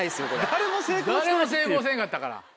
誰も成功せんかったから。